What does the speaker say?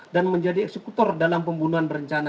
dan menjadi eksekutor dalam pembunuhan berencana